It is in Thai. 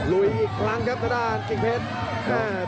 ลุยอีกครั้งครับทางด้านกิ่งเพชร